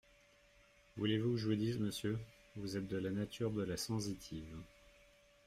Voulez-vous que je vous dise, monsieur… vous êtes de la nature de la sensitive !